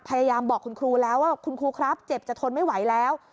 พยายามบอกคุณครูแล้วว่าคุณครูครับเจ็บจะทนไม่ไหวแล้ว